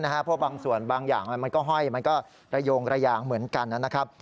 เพราะบางส่วนบางอย่างมันก็ห้อยมันก็ระโยงระยางเหมือนกันนะครับ